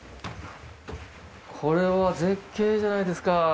これは絶景じゃないですか。